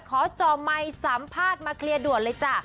จ่อไมค์สัมภาษณ์มาเคลียร์ด่วนเลยจ้ะ